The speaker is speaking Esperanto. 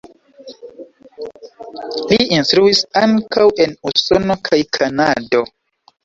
Li instruis ankaŭ en Usono kaj Kanado.